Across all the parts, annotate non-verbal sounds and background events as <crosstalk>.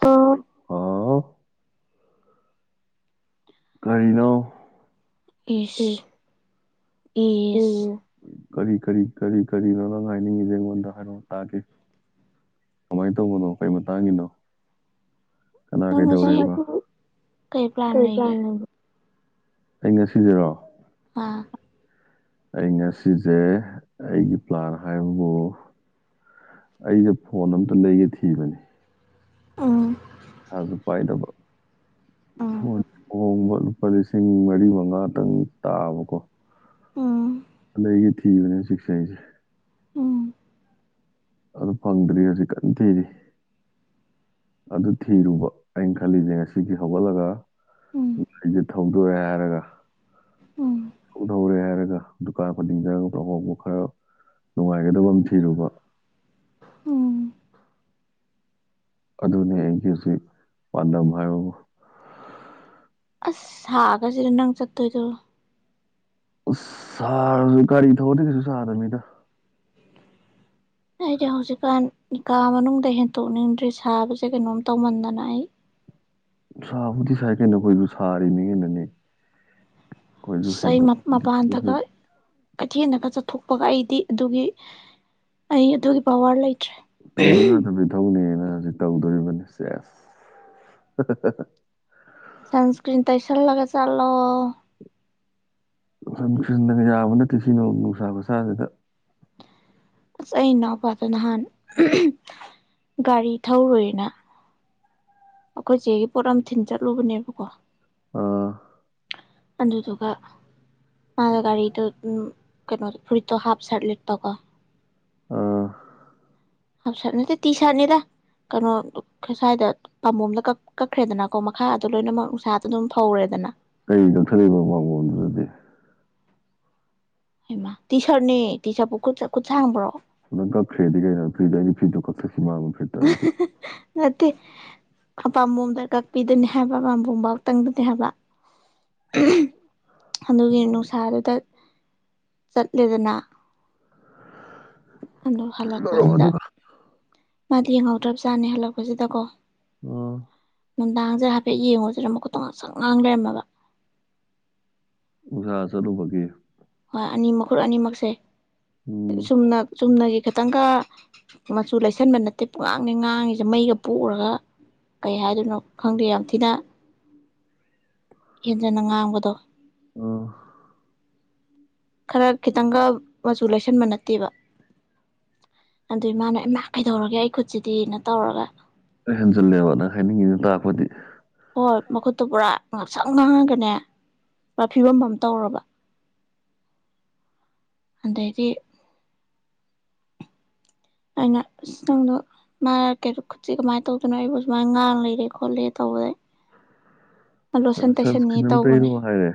ꯍꯥꯎ ꯀꯔꯤꯅꯣ ꯏꯁ ꯏꯁ ꯀꯔꯤ ꯀꯔꯤ ꯀꯔꯤ ꯀꯔꯤꯅꯣ ꯅꯪ ꯍꯥꯏꯅꯤꯡꯉꯤꯁꯦ ꯑꯩꯉꯣꯟꯗ ꯍꯥꯏꯔꯣ ꯇꯥꯒꯦ ꯀꯃꯥꯏꯅ ꯇꯧꯕꯅꯣ ꯀꯩ ꯃꯇꯥꯡꯒꯤꯅꯣ ꯀꯅꯥ ꯅꯪ ꯉꯁꯤ ꯀꯗꯧꯔꯦꯕ ꯀꯩ ꯄ꯭ꯂꯥꯟ ꯂꯩꯒꯦ ꯑꯩ ꯉꯁꯤꯖꯔꯣ ꯑꯥ ꯑꯩ ꯉꯁꯤꯁꯦ ꯑꯩꯒꯤ ꯄ꯭ꯂꯥꯟ ꯍꯥꯏꯕꯕꯨ ꯑꯩꯁꯦ ꯐꯣꯟ ꯑꯝꯇ ꯂꯩꯒꯦ ꯊꯤꯕꯅꯤ ꯑꯝ ꯁꯖꯨ ꯄꯥꯏꯗꯕ ꯐ ꯎꯝ ꯍꯣꯡꯕ ꯂꯨꯄꯥ ꯂꯤꯁꯤꯡ ꯃꯔꯤ ꯃꯉꯥꯇꯪ ꯇꯥꯕꯀꯣ ꯍ <inaudible> ꯂꯩꯒꯤ ꯊꯤꯕꯅꯦ ꯁꯤꯁꯩꯁꯦ ꯎꯝ ꯑꯗꯨ ꯐꯪꯗ꯭ꯔꯤ ꯍꯧꯖꯤꯛ ꯀꯟ ꯊꯤꯗꯤ ꯑꯗꯨ ꯊꯤꯔꯨꯕ ꯑꯩꯅ ꯈꯜꯂꯤꯁꯦ ꯉꯁꯤꯁ ꯍꯧꯒꯠꯂꯒ ꯎꯝ ꯉꯥꯏ ꯊꯧꯗꯣꯛꯑꯦ ꯍꯥꯏꯔꯒ ꯎꯝ ꯎꯍꯧꯔꯦ ꯍꯥꯏꯔꯒ ꯗꯨꯀꯥꯟ ꯐꯅꯤꯡꯡꯗꯔꯒ ꯄꯍꯣꯕ ꯈꯔ ꯅꯨꯡꯉꯥꯏꯒꯗꯕ ꯑꯃ ꯊꯤꯔꯨꯕ ꯎꯝ ꯑꯗꯨꯅꯤ ꯑꯩꯒꯤꯁꯤ ꯄꯥꯟꯗꯝ ꯍꯥꯏꯕ ꯑꯁ ꯁꯥꯒꯁꯤꯗ ꯅꯪ ꯆꯠꯇꯣꯏꯗꯣ ꯁꯥꯔꯁꯨ ꯀꯔꯤ ꯊꯗ ꯀꯁꯨ ꯁꯥꯗꯃꯤꯗ ꯑꯩꯁꯦ ꯍꯧꯖꯤꯛꯀꯥꯟ ꯀꯥ ꯃꯅꯨꯡꯗ ꯍꯦꯟꯇꯣꯛꯅꯤꯡꯗ꯭ꯔꯦ ꯁꯥꯕꯁꯦ ꯀꯩꯅꯣꯝ ꯇꯧꯃꯟꯗꯅ ꯑꯩ ꯁꯥꯕꯨꯗꯤ ꯁꯥꯏ ꯀꯦꯅꯣꯈꯣꯏꯕꯨ ꯁꯥꯔꯤꯅꯤ ꯍꯦꯟꯅꯅꯦ ꯏꯩ ꯃꯄꯥꯟꯗꯒ ꯀꯩꯊꯦꯜꯗꯒ ꯆ ꯊꯣꯛꯄꯒ ꯑꯩꯗꯤ ꯑꯗꯨꯒꯤ ꯑꯩ ꯑꯗꯨꯒꯤ ꯄꯋꯥꯔ ꯂꯩ ꯇꯧꯗ ꯉꯥꯛꯇꯕꯗꯤ ꯊꯧꯅꯤꯅ ꯍꯧꯖꯤꯛ ꯇꯧꯗꯣꯔꯤꯕꯅꯤꯁꯦꯁ ꯁꯟꯁꯀ꯭ꯔꯤꯟ ꯇꯩꯁꯜꯂꯒ ꯆꯠꯂꯣ ꯅꯨꯡꯁꯤꯟꯗꯅ ꯌꯥꯕ ꯅꯠꯇꯦ ꯁꯤ ꯅꯣꯡ ꯅꯨꯡꯁꯥ ꯃꯁꯥꯁꯤꯗ ꯑꯁ ꯑꯩ ꯏꯅꯥꯎꯄꯥꯗꯣ ꯅꯍꯥꯟ ꯒꯥꯔꯤ ꯊꯧꯔꯨꯔꯤꯅ ꯑꯩꯈꯣꯏ ꯆꯦꯒꯤ ꯄꯣꯠ ꯑꯃ ꯊꯤꯟ ꯆꯠꯂꯨꯕꯅꯦꯕꯀꯣ ꯑꯥ ꯑꯗꯨꯗꯨꯒ ꯃꯥ ꯒꯥꯔꯤꯗ ꯎ ꯀꯩꯅꯣ ꯐꯨꯔꯤꯠꯇꯣ ꯍꯥꯞ ꯁꯥꯔꯂ ꯇꯀꯣ ꯑꯥ ꯍꯥꯐꯁꯅꯦ ꯇꯤ ꯁꯥꯠꯅꯤꯗ ꯀꯩꯅꯣ ꯁ꯭ꯋꯥꯏꯗ ꯄꯥꯝꯕꯣꯝꯗ ꯀ ꯀꯛꯈ꯭ꯔꯦꯗꯅꯀꯣ ꯃꯈꯥ ꯑꯗꯣ ꯂꯣꯏꯅꯃꯛ ꯅꯨꯡꯁꯥꯗ ꯑꯗꯨꯝ ꯐꯧꯔꯦꯗꯅ ꯀꯔꯤ ꯂꯧꯧꯊꯛꯏꯕ ꯄꯕꯗꯨꯗꯗꯤ ꯍꯃ ꯇꯤ ꯁꯔꯠꯅꯦꯅꯤ ꯇꯤ ꯁꯔꯠꯄꯨꯠ ꯈꯨꯠ ꯁꯥ ꯍꯥꯡꯕ꯭ꯔꯣ ꯑꯣ ꯐ꯭ꯔꯦꯗꯤꯀꯦ ꯐꯤꯔꯤꯗ ꯐꯤꯗ ꯀ ꯁꯤꯃ ꯑꯃ ꯐꯤꯔ ꯇ ꯑꯄꯥꯝꯕꯣꯝ ꯗꯔ ꯀꯥꯛꯄꯤꯗꯨꯣꯏꯅꯤ ꯍꯥꯏꯕ ꯑꯄꯥꯝꯕꯣꯝ ꯇꯪꯗꯗꯤ ꯍꯥꯏꯕ ꯑꯗꯨꯒꯤ ꯑꯥ ꯅꯨꯡꯁꯥꯗꯨꯗ ꯆꯠꯂꯦꯗꯅ ꯑꯗ ꯂꯧꯔꯝꯃꯣ ꯍꯜꯂꯛꯄꯁꯤꯗ ꯑꯗꯨꯒ ꯃꯥꯗꯤ ꯌꯦꯡꯍꯧꯗ꯭ꯔꯕꯖꯥꯠꯅꯦ ꯍꯜꯂꯛꯄꯁꯤꯗꯀꯣ ꯑ ꯅꯨꯡꯗꯥꯡꯁꯦ ꯍꯥꯏꯐꯦꯠ ꯌꯦꯡꯉꯨꯁꯤꯔ ꯃꯈꯨꯠꯇꯣ ꯉ ꯁꯪ ꯉꯥꯡ ꯂꯩꯔꯝꯃꯕ ꯁ ꯑꯁ ꯑꯗꯨꯨꯕꯒ ꯍꯣꯏ ꯑꯅꯤ ꯃꯈꯨꯜ ꯑꯅꯤꯃꯛꯁꯦ ꯎꯝ ꯆꯨꯝꯅ ꯆꯨꯝꯅꯒꯤ ꯈꯤꯇꯪꯒ ꯃꯆꯨ ꯂꯩꯁꯟꯕ ꯅꯠꯇꯦ ꯄꯉꯥꯡꯅꯤ ꯉꯥꯡꯉꯤꯁꯦ ꯃꯩꯒ ꯄꯨꯣꯛꯎꯔꯒ ꯀꯩ ꯍꯥꯏꯗꯣꯏꯅꯣ ꯈꯪꯗꯦ ꯌꯥꯝ ꯊꯤꯅ ꯏꯟꯖꯅ ꯉꯥꯡꯕꯗꯣ ꯑ ꯈꯔ ꯈꯤꯇꯪꯒ ꯃꯆꯨ ꯂꯩꯁꯟꯕ ꯅꯠꯇꯦꯕ ꯑꯗꯨ ꯏꯃꯥꯅ ꯏꯃꯥ ꯀꯩꯗꯧꯔꯒꯦ ꯑꯩ ꯈꯨꯠꯁꯤꯗꯤꯩꯅ ꯇꯧꯔꯒ ꯍꯟꯖꯤꯜꯂꯦꯕꯅꯪ ꯍꯥꯏꯅꯤꯡꯉꯤꯅ ꯇꯥꯛꯔꯛꯄꯗꯤ ꯍꯣꯏ ꯃꯈꯨꯠꯇꯣ ꯄꯨꯔꯥ ꯉꯥꯛꯁꯪ ꯉꯥꯡꯉꯒꯅꯦ ꯄꯨꯔꯥ ꯐꯤꯕꯝ ꯑꯃꯝ ꯇꯧꯔꯕ ꯑꯗꯩꯗꯤ ꯑꯩꯅꯇꯪꯗꯣ ꯃꯥꯅ ꯀꯩ ꯈꯨꯠꯁꯤ ꯀꯃꯥꯏꯅ ꯇꯧꯗꯅꯣ ꯑꯩꯕꯨ ꯁꯨꯃꯥꯏꯅ ꯉꯥꯡ ꯂꯩꯔꯦ ꯈꯣꯠꯂꯦ ꯇꯧꯕ ꯂꯣꯁꯟ ꯇꯩꯁꯟꯅꯤ ꯁꯟꯁꯀ꯭ꯔꯤꯟ ꯑꯃ ꯇꯧꯕꯅꯦ ꯇꯩꯔꯣ ꯍꯥꯏꯔꯦ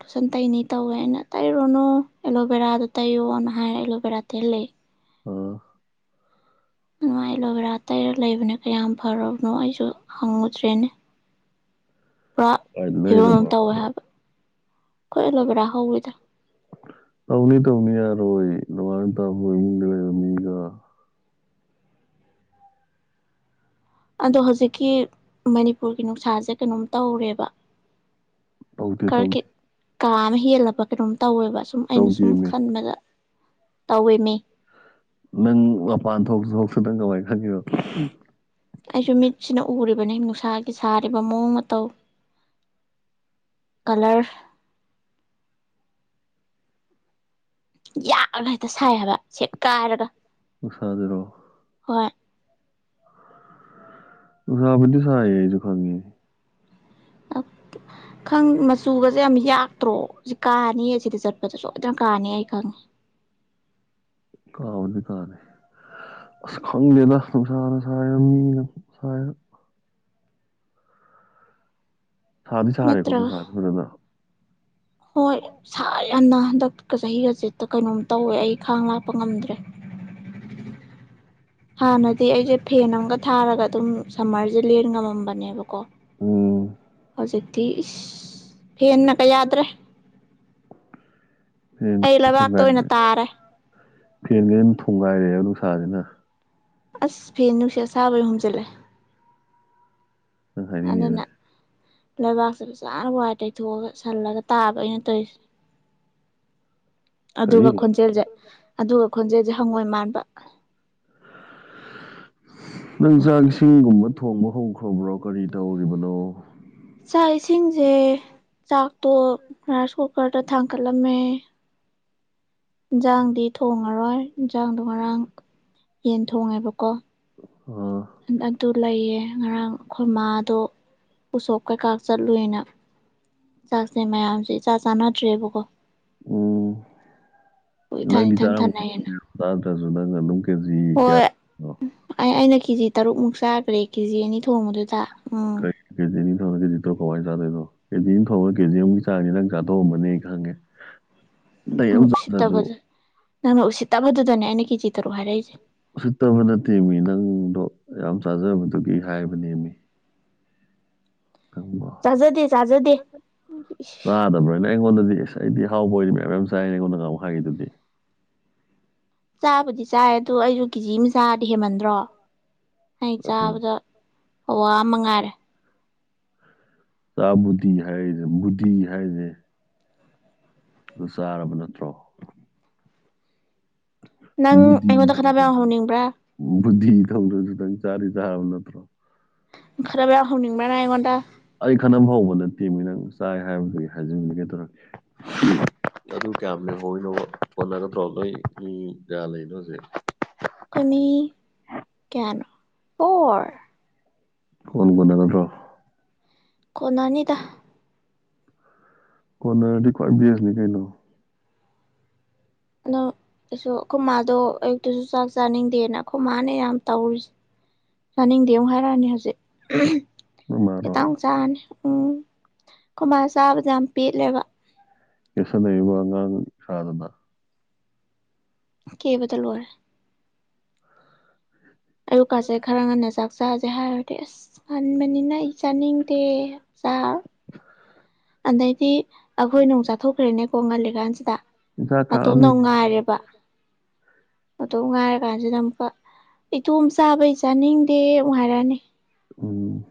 ꯐꯨꯁꯟ ꯇꯩꯅꯤ ꯇꯧꯋꯦ ꯑꯩꯅ ꯇꯩꯔꯨꯅꯨ ꯑꯦꯂꯣꯚꯦꯔꯥꯗ ꯇꯩꯌꯣꯅ ꯍꯥꯏ ꯑꯦꯂꯣꯚꯦꯔꯥ ꯇꯦꯜꯍꯂ ꯑ ꯑꯗꯨꯃꯥꯏ ꯑꯦꯂꯣꯚꯦꯔꯥ ꯇꯩꯔ ꯂꯩꯕꯅꯦ ꯀꯌꯥꯝ ꯐꯔꯕꯅꯣ ꯑꯩꯁꯨ ꯍꯪꯉꯨꯗ꯭ꯔꯦꯅꯦ ꯄꯨꯔꯥ ꯀꯥꯏꯗ ꯐꯤꯕꯝ ꯑꯃ ꯂꯩꯔꯕ꯭ꯔꯣ ꯇꯧꯋꯦ ꯍꯪꯕ꯭ꯔꯣ ꯍꯥꯏꯕ ꯑꯩꯈꯣꯏ ꯑꯦꯂꯣꯕꯦꯔꯥ ꯍꯧꯋꯤꯗ <inaudible> ꯇꯧꯅꯤ ꯇꯧꯅꯤ ꯑꯔꯣꯏ ꯅꯣꯉꯟꯗꯩꯩ ꯅꯨꯃꯤꯠ ꯇꯥꯐꯥꯎ ꯃꯣꯌ ꯏꯃꯨꯡꯗ ꯂꯩꯕ ꯃꯤꯒ ꯑꯗꯣ ꯍꯧꯖꯤꯛꯀꯤ ꯃꯅꯤꯄꯨꯔꯒꯤ ꯅꯨꯡꯁꯥꯁꯦ ꯀꯩꯅꯣꯝ ꯇꯧꯔꯦꯕ ꯇꯧꯗꯦ ꯈꯔ ꯀ ꯇꯧꯗꯦ ꯀꯥ ꯑꯃ ꯍꯦꯜꯂꯕ ꯀꯩꯅꯣꯝ ꯇꯧꯋꯦꯕ ꯁꯨꯝ ꯑꯩꯅ ꯁꯨꯝ ꯇꯧꯗꯦꯃꯤ ꯈꯟꯕꯗ ꯇꯧꯋꯦꯃꯤ ꯅꯪ ꯃꯄꯥꯟ ꯊꯣꯛꯁꯨ ꯊꯣꯛꯇꯥ ꯅꯪ ꯀꯃꯏꯅ ꯈꯪꯉꯤꯅꯣ ꯑꯩꯁꯨ ꯃꯤꯠꯁꯤꯅ ꯎꯔꯤꯕꯅꯤ ꯅꯨꯡꯁꯥꯒꯤ ꯁꯥꯔꯤꯕ ꯃꯑꯣꯡ ꯃꯇꯧ ꯀꯂꯔ ꯌꯥꯛꯑꯒ ꯍꯦꯛꯇ ꯁꯥꯏ ꯍꯥꯏꯕ ꯁꯦꯒꯥꯏꯔꯒ ꯅꯨꯡꯁꯖꯤꯔꯣ ꯍꯣꯏ ꯑꯣ ꯅꯨꯡꯁꯥꯕꯨꯗꯤ ꯁꯥꯏꯌꯦ ꯑꯩꯖꯨ ꯈꯪꯉꯦ <unintelligible> ꯈꯪ ꯃꯆꯨꯒꯁꯦ ꯌꯥꯝ ꯌꯥꯛꯇ꯭ꯔꯣ ꯁꯤ ꯀꯥꯅꯤꯌꯦ ꯁꯤꯗ ꯆꯠꯄꯗ ꯁꯣꯏꯗꯅ ꯀꯥꯅꯤ ꯑꯩ ꯈꯪꯉꯦ <inaudible> ꯀꯥꯕꯅꯤ ꯀꯥꯅꯤ ꯑꯁ ꯈꯪꯗꯦꯗ ꯒꯌ꯭ꯥꯟ <unintelligible> ꯁꯥꯗꯤ ꯁꯥꯔꯦꯀꯣ ꯅꯠꯇ꯭ꯔꯒ ꯅꯨꯡꯁꯥꯖꯤ ꯐꯖꯅ ꯍꯣꯏ ꯁꯥꯔꯦ ꯌꯥꯝꯅ ꯍꯟꯗꯛꯀ ꯆꯍꯤꯒꯁꯦ ꯀꯩꯅꯣꯝ ꯇꯧꯋꯦ ꯑꯩ ꯈꯥꯡ ꯂꯥꯛꯄ ꯉꯝꯗ꯭ꯔꯦ <unintelligible> ꯍꯥꯟꯅꯗꯤ ꯑꯩꯁꯦ ꯐꯦꯟ ꯑꯃꯒ ꯊꯥꯔꯒ ꯑꯗꯨꯝ ꯁꯝꯃꯔꯁꯦ ꯂꯦꯟ ꯉꯝꯃꯝꯕꯅꯦꯕꯀꯣ ꯎꯝ ꯍꯧꯖꯤꯛꯇꯤ ꯏꯁ ꯐꯦꯟꯅꯒ ꯌꯥꯗ꯭ꯔꯦ ꯐꯦꯟ ꯑꯩ ꯂꯩꯕꯥꯛꯇ ꯑꯣꯏꯅ ꯐꯨꯒꯥꯏꯔꯦ ꯇꯥꯔꯦ ꯐꯦꯟꯒ ꯑꯗꯨ ꯊꯣꯡꯒꯥꯏꯔꯦ ꯅꯨꯡꯁꯥꯁꯤꯅ ꯑꯁ ꯐꯤ ꯅꯨꯡꯁꯤꯠ ꯑꯁꯥꯕꯩ ꯍꯨꯝꯖꯤꯜꯂꯦ ꯅꯪ ꯍꯥꯏꯅꯤꯡ ꯉꯤꯗꯨ ꯂꯩꯕꯥꯛꯁꯤꯗ ꯁꯠ ꯋꯥꯏ ꯇꯩꯊꯣꯛꯑꯒ ꯁꯜꯂꯒ ꯇꯥꯕ ꯑꯩꯅ ꯇꯧꯔꯤꯁꯦ <unintelligible> ꯀꯔꯤ ꯑꯗꯨꯒ ꯈꯣꯟꯖꯦꯜꯁꯦ ꯑꯗꯨꯒ ꯈꯣꯟꯖꯦꯜꯁꯦ ꯍꯪꯉꯣꯏ ꯃꯥꯟꯕ ꯅꯪ ꯆꯥꯛ ꯏꯁꯤꯡꯒꯨꯝꯕ ꯊꯣꯡꯕ ꯍꯧꯈ꯭ꯔꯕ꯭ꯔꯣ ꯀꯔꯤ ꯇꯧꯔꯤꯕꯅꯣ ꯆꯥꯛ ꯏꯁꯤꯡꯁꯦ ꯆꯥꯛꯇꯣ ꯉꯔ ꯁꯣꯛ ꯀꯥꯔꯗ ꯊꯥꯡꯀꯠꯂꯝꯃꯦ ꯏꯟꯖꯥꯡꯗꯤ ꯊꯣꯡꯉꯔꯣꯏ ꯏꯟꯖꯥꯡꯗꯣ ꯉꯔꯥꯡ ꯌꯦꯟ ꯊꯣꯡꯉꯦꯕꯀꯣ ꯑꯥ ꯑꯗꯨ ꯂꯩꯌꯦ ꯉꯔꯥꯡ ꯑꯩꯈꯣꯏ ꯃꯥꯗꯣ ꯎꯁꯣꯞ ꯀꯩꯀꯥ ꯆꯠꯂꯨꯏꯅ ꯥꯆꯥꯛꯁꯦ ꯃꯌꯥꯝꯁꯦ ꯏꯆꯥ ꯆꯥꯟꯅꯗ꯭ꯔꯦꯕꯀꯣ ꯎꯝ ꯏꯊꯟ ꯅꯪꯗꯤ ꯏꯊꯟ ꯊꯟꯅꯩꯌꯦꯅ ꯆꯥꯔꯝꯃꯩ ꯆꯥꯗ꯭ꯔꯖꯨ ꯅꯪꯅ ꯑꯗꯨꯝ ꯀꯦꯖꯤ ꯍꯣꯏ ꯀꯌꯥꯅꯣ ꯑꯩ ꯑꯩꯅ ꯀꯦꯖꯤ ꯇꯔꯨꯛꯃꯨꯛ ꯆꯥꯒꯔ꯭ꯦ ꯀꯦꯖꯤ ꯑꯅꯤ ꯊꯣꯡꯕꯗꯨꯗ ꯎꯝ <unintelligible> ꯀꯥꯃꯥꯏ ꯆꯥꯗꯣꯏꯣꯅꯣ ꯑꯃ ꯊꯣꯡ ꯀꯦꯖꯤ ꯑꯝ ꯆꯥꯡꯅꯤ ꯅꯪ ꯆꯥꯊꯣꯛꯑꯝꯃꯅꯤ ꯑꯩ ꯈꯪꯉꯦ <unintelligible> ꯑꯇꯩ ꯑꯝ ꯆꯗꯔ꯭ꯖꯨ ꯎꯁꯤꯠꯇꯕꯗ ꯅꯪꯅ ꯎꯁꯤꯠꯠꯇꯕꯗꯨꯗꯅꯦ ꯑꯩꯅ ꯀꯦꯖꯤ ꯇꯔꯨꯛ ꯍꯥꯏꯔꯛꯏꯁꯦ ꯎꯁꯤꯠꯇꯕ ꯅꯠꯇꯦ ꯃꯤ ꯅꯪꯗꯣ ꯌꯥꯝ ꯆꯥꯖꯕꯗꯨꯒꯤ ꯍꯥꯏꯕꯅꯦ ꯃꯤ ꯪ ꯈꯪꯕꯔꯣ ꯆꯥꯖꯗꯦ ꯆꯥꯖꯗꯦ ꯆꯥꯗꯕ꯭ꯔꯣꯅ ꯑꯩꯉꯣꯟꯗꯗꯤ ꯑꯩꯗꯤ ꯍꯥꯎꯕ ꯑꯣꯏꯗꯤ ꯃꯌꯥꯝ ꯌꯥꯝ ꯆꯥꯏꯅ ꯑꯩꯉꯣꯟꯗꯥ ꯉꯥꯍꯟꯃꯨꯛ ꯍꯥꯏꯒꯗꯨꯗꯤ ꯆꯥꯕꯨꯗꯤ ꯆꯥꯏ ꯑꯗꯨ ꯑꯩꯁꯨ ꯀꯦꯖꯤ ꯑꯃ ꯆꯥꯥꯔꯗꯤ ꯍꯦꯟꯃꯟꯗ꯭ꯔꯣ ꯑꯩ ꯑꯗꯨꯅꯤ ꯆꯥꯕꯗ ꯑꯋꯥ ꯑꯃ ꯉꯥꯏꯔꯦ ꯆꯥꯕꯨꯗꯤ ꯍꯥꯏꯔꯦꯕꯨꯗꯤ ꯍꯥꯏꯔꯦ ꯑꯗꯨ ꯆꯥꯔꯕ ꯅꯠꯇ꯭ꯔꯣ ꯅꯪ ꯑꯩꯉꯣꯟꯗ ꯑꯣꯗꯤꯗꯗ ꯈꯠꯅꯕ ꯌꯥꯝ ꯍꯧꯅꯤꯡꯕ꯭ꯔꯥ ꯕꯨꯙꯤ ꯈꯪꯗ꯭ꯔꯁꯨꯈꯤꯇꯪ ꯆꯥꯔꯤ ꯆꯥꯕ ꯅꯠꯇ꯭ꯔꯣ ꯎꯈꯔꯕ ꯑ ꯍꯧꯅꯤꯡꯕ꯭ꯔꯅ ꯑꯩꯉꯣꯟꯗ ꯑꯩ ꯈꯅ ꯐꯥꯎꯧꯕ ꯅꯠꯇꯦ ꯃꯤ ꯅꯪ ꯆꯥꯏ ꯍꯥꯏꯕꯗꯨꯒꯤ ꯍꯥꯏꯖꯤꯟꯒꯦ ꯇꯧꯔꯛ ꯑꯗꯨ ꯀꯌꯥꯝ ꯂꯍꯏꯅꯣ ꯍꯣꯠꯅꯒꯗ꯭ꯔꯣ ꯅꯣꯏ ꯃꯤ ꯀꯌꯥ ꯂꯩꯅꯣꯁꯦ ꯀꯅꯤ ꯀꯌꯥꯅꯣ ꯑꯣꯔ ꯀꯣꯟ ꯀꯗꯅꯊ ꯀꯣꯟꯅꯥꯅꯤꯗ ꯀꯅꯗꯤ ꯈ꯭ꯋꯥꯏ ꯁꯅꯤ ꯀꯩꯅꯣ ꯑꯗ ꯀꯩꯁꯨ ꯑꯩꯈꯣꯏ ꯃꯥꯗꯣ ꯑꯌꯨꯛꯇꯨꯁꯨ ꯆꯥꯛ ꯆꯥꯅꯤꯡꯗꯦꯅ ꯑꯩꯈꯣꯏ ꯃꯥꯅ ꯌꯥꯝ ꯇꯧꯔꯤꯁꯦ ꯌꯥꯥꯅꯤꯡꯗꯦ ꯑꯃ ꯍꯥꯏꯔꯥꯅꯤ ꯍꯧꯖꯤꯛ ꯅꯣꯏ ꯃꯥꯔꯣ ꯈꯤꯇꯥꯡ ꯆꯥꯅꯤ ꯎꯝ ꯀꯣꯏꯃꯥ ꯆꯥꯕꯗ ꯌꯥꯝ ꯄꯦꯠꯂꯦꯕ ꯌꯁꯗꯩ ꯋꯥꯉ ꯁꯥꯗꯅ ꯀꯦꯕꯗ ꯂꯣꯏꯔꯦ ꯑꯌꯨꯛꯀꯁꯦ ꯈꯔ ꯉꯟꯅ ꯆꯥꯛ ꯆꯥꯥꯁꯦ ꯍꯥꯏꯔꯨꯔꯗꯤ ꯑꯁ ꯈꯟꯕꯅꯤꯅ ꯑꯩ ꯆꯥꯅꯤꯡꯗꯦ ꯆꯖꯥꯔ ꯑꯗꯩꯗꯤ ꯑꯩꯈꯣꯏ ꯣꯡ ꯆꯥꯊꯣꯛ ꯈ꯭ꯔꯦꯅꯦꯀꯣ ꯉꯜꯂꯤ ꯀꯥꯟꯁꯤꯗ ꯍꯤꯟꯖꯥꯡ ꯃꯇꯣꯝꯗ ꯈꯥꯛꯑꯝꯅꯤ ꯑꯃ ꯉꯥꯏꯔꯦꯕ ꯑꯗꯨꯇꯧ ꯉꯥꯏꯔ ꯀꯥꯟꯁꯤꯗ ꯑꯃꯨꯛꯀ ꯏꯇꯣꯝ ꯆꯥꯕꯩ ꯆꯥꯅꯤꯡꯗꯦ ꯉꯥꯏꯔꯛꯑꯅꯤ ꯎꯝ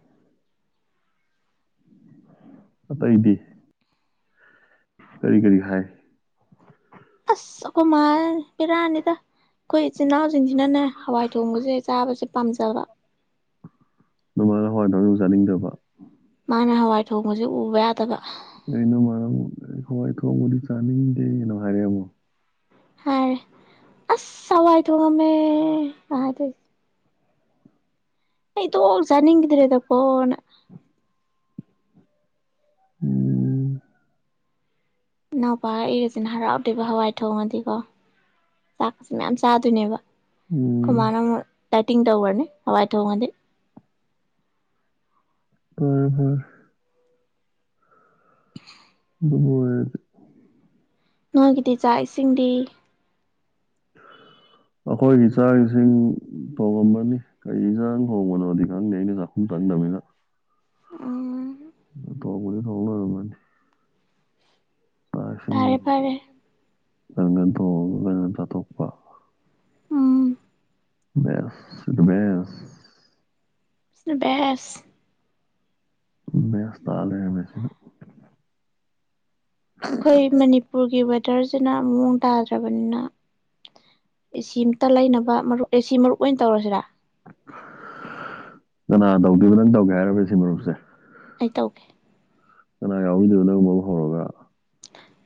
ꯑꯇꯩꯗꯤ ꯀꯔꯤ ꯀꯔꯤ ꯍꯥꯏ ꯑꯁ ꯑꯩꯈꯣꯏ ꯃꯥ ꯏꯔꯥꯅꯤꯗ ꯑꯩꯈꯣꯏ ꯏꯆꯤꯜ ꯏꯅꯥꯎꯁꯤꯡꯁꯤꯅꯅꯦ ꯍꯋꯥꯏ ꯊꯣꯡꯕꯁꯦ ꯆꯥꯕꯁꯦ ꯄꯥꯝꯖꯕ ꯅꯃꯥꯏꯒ ꯍꯣꯏ ꯅꯖꯥꯠꯅꯤꯡꯗꯕ ꯃꯥꯅ ꯍꯋꯥꯏ ꯊꯣꯡꯁꯦ ꯎꯕ ꯌꯥꯗꯕ ꯑꯩꯅ ꯃꯔꯝ ꯍꯋꯥꯏ ꯊꯣꯡꯑꯕꯗꯤ ꯆꯥꯅꯤꯡꯉꯗꯦ ꯀꯩꯅꯣ ꯍꯥꯏꯔꯦꯃꯣ ꯍꯥꯏꯔꯦ ꯑꯁ ꯁꯋꯥꯏ ꯊꯃꯦ ꯑ ꯇꯣ ꯆꯥꯅꯤꯡꯒꯗ꯭ꯔꯦꯗ ꯐꯅ ꯎꯝ ꯏꯅꯥꯎꯄꯥꯏꯒꯁꯤꯅ ꯍꯔꯥꯎꯗꯦꯕ ꯍꯋꯥꯏ ꯊꯣꯡꯉꯗꯤꯀꯣ ꯆꯥꯛꯁ ꯃꯌꯥꯝ ꯆꯥꯗꯣꯏꯅꯦꯕ ꯎꯝ ꯀꯃꯥꯏꯅ ꯇꯥꯏꯇꯤꯡ ꯇꯔꯅꯦ ꯍꯋꯥꯏ ꯊ ꯍꯥꯎ ꯃ ꯍ ꯍꯣ ꯍꯣꯏ ꯑꯗꯨ ꯅꯒꯤꯗꯤ ꯆꯥꯛ ꯏꯁꯤꯡꯗꯤ ꯎꯝ ꯑꯩꯈꯣꯏꯒꯤ ꯆꯥꯛ ꯏꯁꯤꯡ ꯊꯣꯡꯉꯝꯕꯅꯤ ꯀꯔꯤ ꯆꯥꯡ ꯊꯣꯡꯕꯅꯣꯗꯤ ꯈꯪꯗꯦ ꯑꯩꯅ ꯆꯥꯛꯈꯨꯝ ꯀꯗꯃꯤꯅ ꯎ ꯇꯕꯨ ꯊꯅꯤ ꯇꯥꯏꯁꯤꯡ ꯐꯔꯦ ꯐꯔꯦ ꯉꯪꯒꯗꯣ ꯉꯗ ꯊꯣꯛꯞꯄ ꯎꯝ ꯃ ꯁꯤꯃꯦ ꯅ ꯦꯁ ꯃꯁ ꯇꯥꯂ ꯃꯦꯁꯤꯅ ꯑꯩꯈꯣꯏ ꯃꯅꯤꯄꯨꯔꯒꯤ ꯋꯦꯗꯔꯁꯤꯅ ꯃꯑꯣꯡ ꯥꯗ꯭ꯔꯥꯕꯅꯤꯅ ꯏ ꯇ ꯂꯩꯅꯕ ꯃꯔ ꯑꯦꯁꯤ ꯃꯔꯨꯞ ꯑꯣꯏꯅ ꯇꯧꯔꯁꯤꯔꯥ ꯀꯅꯥ ꯇꯧꯗꯣꯏꯕ ꯅꯪ ꯇꯧꯒꯦ ꯍꯥꯏꯔꯔꯕꯦ ꯁꯤ ꯃꯔꯨꯞꯁꯦ ꯑꯩ ꯇꯧꯀꯦ ꯀꯅꯥ ꯌꯥꯎꯗꯨꯗꯨꯅꯒ ꯃ ꯍꯔꯒ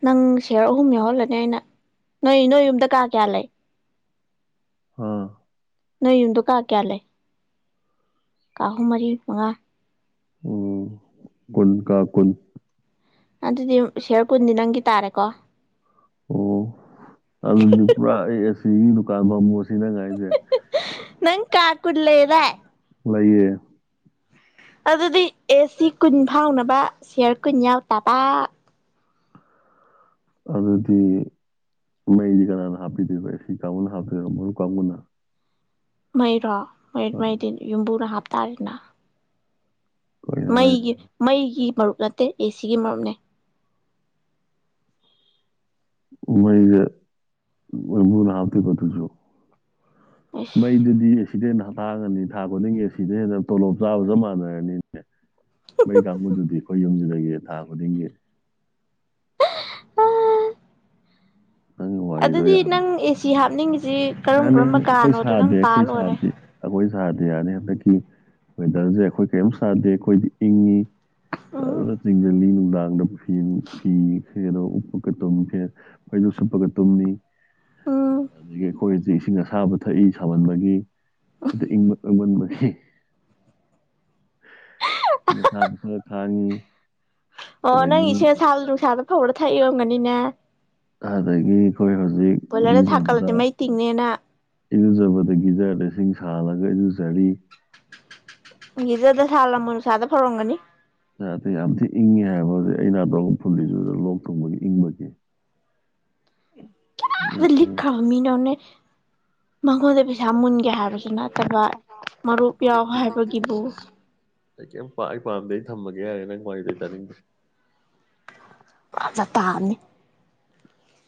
ꯅꯪ ꯁꯦꯔ ꯑꯍꯨꯝ ꯌꯥꯎꯍꯜꯂꯅꯤ ꯑꯩꯅ ꯅꯣꯏ ꯅꯣꯏ ꯌꯨꯝꯗ ꯀꯥ ꯀꯌꯥ ꯂꯩ ꯑꯥ ꯅꯣꯏ ꯌꯨꯝꯗꯣ ꯀꯥ ꯀꯌꯥ ꯂꯩ ꯀꯥꯍꯨꯝ ꯃꯔꯤ ꯃꯉꯥ ꯎ ꯀꯨꯟ ꯀꯥ ꯀꯨꯟ ꯑꯗꯨꯗꯤ ꯁꯤꯌꯔ ꯀꯨꯟꯗꯤ ꯅꯪꯒꯤ ꯇꯥꯔꯦꯀꯣ ꯑꯣ ꯑꯗꯨ ꯄ꯭ꯔꯥꯏ ꯁꯤ ꯂꯗꯨ ꯀꯥꯟ ꯐꯃ ꯁꯤꯗ ꯉꯥꯏꯁꯦ ꯀꯀꯂꯔꯦ ꯂꯩꯌꯦ ꯑꯗꯨꯗꯤ ꯑꯦ ꯁꯤ ꯀꯨꯟ ꯐꯥꯎꯅꯕ ꯁꯤꯌꯥꯔ ꯀꯨꯟ ꯌꯥꯎ ꯇꯕ <unintelligible> ꯑꯗꯨꯗꯤ ꯃꯗꯤ ꯀꯅꯥꯅ ꯍꯥꯞꯄꯤꯗ ꯄꯁꯤ ꯀꯥꯃꯅ ꯍꯥꯞꯇ ꯃ ꯀꯃꯅ ꯃꯩꯔꯣ ꯃꯩ ꯃꯩꯗꯤ ꯌꯨꯝꯕꯨꯅ ꯍꯥꯞꯇꯥꯔꯦꯅ ꯀꯩꯅꯣ ꯍꯥꯏꯁꯦ ꯃꯩꯒꯤ ꯃꯩꯒꯤ ꯃꯔꯨꯞ ꯅꯠꯇꯦ ꯑꯦ ꯁꯤꯒꯤ ꯃꯔꯨꯞꯅꯦ ꯃꯕꯨꯅꯥꯎꯇ ꯀꯊꯨ ꯆ ꯑꯁ ꯃꯩꯗꯨꯗꯤꯁ ꯁꯤꯗ ꯍꯦꯟꯅ ꯊꯥꯡꯉꯅꯤ ꯊꯥ ꯈꯨꯗꯤꯡꯒꯤ ꯑꯁꯤꯗ ꯍꯦꯟꯅ ꯇꯣꯂꯣꯞ ꯆꯥꯕ ꯆꯞ ꯃꯥꯟꯅꯔꯅꯤꯅꯦ ꯃꯩ ꯀꯥꯡꯕꯨꯗꯨꯗꯤ ꯑꯩꯈꯣꯏ ꯌꯨꯝꯁꯤꯗꯒꯤꯦ ꯊꯥ ꯈꯨꯗꯤꯡꯒꯤ ꯅꯪꯒꯤ ꯋꯥꯔꯤꯗꯣ ꯑꯗꯨꯗꯤ ꯌꯥꯔꯣꯏ ꯅꯪ ꯑꯦꯁꯤ ꯍꯥꯞꯅꯤꯡꯉꯤꯁꯤ ꯀꯔꯝ ꯌꯥꯅꯤ ꯀꯔꯝꯕ ꯌꯥꯅꯤ ꯑꯩꯈꯣꯏ ꯀꯥꯅꯣꯗꯣ ꯅꯪ ꯁꯥꯗꯦ ꯄꯥ ꯑꯩꯈꯣꯏ ꯂꯣꯏꯔꯦ ꯁꯥꯗꯦ ꯑꯩꯈꯣꯏ ꯁꯥꯗꯦ ꯌꯥꯅꯤꯦ ꯍꯟꯗꯛꯀꯤ ꯋꯦꯗꯔꯁꯦ ꯑꯩꯈꯣꯏ ꯀꯔꯤꯝ ꯁꯥꯗꯦ ꯑꯩꯈꯣꯏꯗꯤ ꯏꯪꯉꯤ ꯎꯝ ꯆꯁꯤꯡꯒꯜꯂꯤ ꯗꯥꯡꯒꯗꯄ ꯐ ꯐꯔ ꯎꯄ ꯀ ꯇꯧ ꯐ ꯑꯩꯈꯣꯏꯁꯨ ꯁꯨꯞꯄꯒ ꯇꯨꯝꯃꯤ ꯎꯝ ꯑꯗꯒꯤ ꯑꯩꯈꯣꯏꯗꯤ ꯏꯁꯤꯡ ꯑꯁꯥꯕ ꯊꯛꯏ ꯁꯥꯍꯟꯕꯒꯤ ꯑ ꯏꯪꯪꯟ <inaudible> ꯊꯕ ꯐ ꯈꯅꯤ ꯑꯣ ꯅꯪ ꯏꯆꯦꯁꯥ ꯅꯨꯡꯁꯥꯗ ꯐꯧꯔ ꯊꯛꯏꯔꯝꯒꯅꯤꯅꯦ ꯑꯗꯒꯤ ꯑꯩꯈꯣꯏ ꯍꯧꯖꯤꯛ ꯌꯖꯕꯗ ꯊꯥꯡꯀꯠꯂꯗꯤ ꯃꯩ ꯇꯤꯡꯅꯦꯅ ꯏꯔꯨꯖꯕꯗ ꯒꯤꯖꯔꯗ ꯏꯁꯤꯡ ꯁꯥꯜꯂꯒ ꯏꯔꯨꯖꯔꯤ ꯃꯤꯖꯗ ꯁꯥꯜꯂꯝꯃ ꯅꯨꯡꯁꯥꯗ ꯐꯧꯔꯝꯒꯅꯤ ꯑꯗ ꯌꯥꯝ ꯊꯤ ꯏꯪꯉꯦ ꯍꯥꯏꯕꯗꯤ ꯑꯩꯅꯗ ꯐꯨꯜꯂꯤꯁꯨ ꯂꯣꯛ ꯊꯨꯡꯕꯒꯤ ꯏꯪꯕꯒꯤ ꯎ ꯎꯝ ꯃꯤꯅꯅꯦ ꯃꯉꯣꯟꯗ ꯄꯩꯁꯥ ꯃꯨꯟꯒꯦ ꯍꯥꯏꯕꯁꯨ ꯅꯠꯇꯕ ꯃꯔꯨꯞ ꯌꯥꯎ ꯂꯤꯛꯇꯤ ꯂꯤꯛꯇꯤ ꯍꯥꯏꯕꯒꯤꯕꯨ ꯏꯁ ꯏꯁ ꯑꯩ ꯀꯩꯝ ꯄꯥꯛ ꯑꯩ ꯄꯥꯝꯗꯩ ꯊꯝꯃꯒꯦ ꯍꯥꯏꯔꯦ ꯅꯪ ꯀꯃꯥꯏꯅꯗ ꯇꯥꯅꯤꯡꯗꯦ ꯖ ꯇꯅꯤ